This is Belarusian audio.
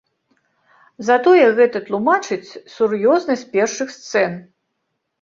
Затое гэта тлумачыць сур'ёзнасць першых сцэн.